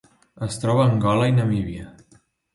Es troba a Angola i Namíbia.